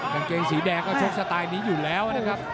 กางเกงสีแดงก็ชกสไตล์นี้อยู่แล้วนะครับ